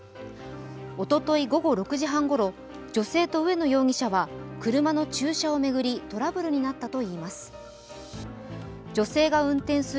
おととい午後６時半ごろ、女性と上野容疑者は車の駐車を巡り、トラブルになったといいます。